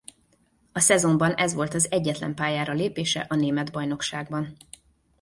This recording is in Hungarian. A szezonban ez volt az egyetlen pályára lépése a német bajnokságban.